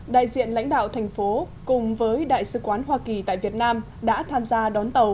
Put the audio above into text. đại diện lãnh đạo thành phố cùng với đại sứ quán hoa kỳ tại việt nam đã tham gia đón tàu